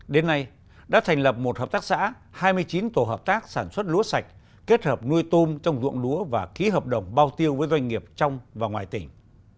đến nay đã thành lập một hợp tác xã hai mươi chín tổ hợp tác sản xuất lúa sạch kết hợp nuôi tôm trong ruộng lúa và ký hợp đồng bao tiêu với doanh nghiệp trong và ngoài tỉnh